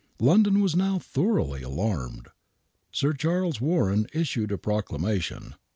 London was now thoroughly alarmed. Sir Charles Warren issued a proclamation.